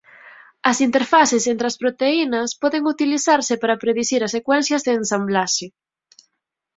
As interfaces entre as proteínas poden utilizarse para predicir as secuencias de ensamblaxe.